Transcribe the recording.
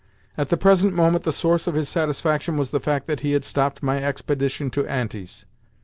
At the present moment the source of his satisfaction was the fact that he had stopped my expedition to "Auntie's."